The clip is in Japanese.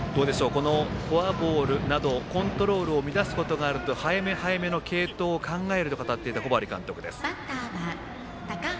このフォアボールなどコントロールを乱すことのある早め早めの継投を考えると語っていた小針監督です。